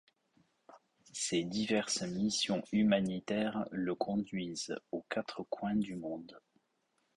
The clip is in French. Ses diverses missions humanitaires le conduisent aux quatre coins du monde.